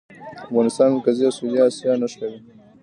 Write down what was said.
افغانستان مرکزي او سویلي اسیا نښلوي